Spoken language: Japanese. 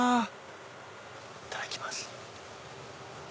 いただきます。